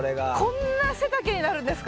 こんな背丈になるんですか。